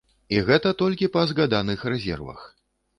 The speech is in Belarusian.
І гэта толькі па згаданых рэзервах.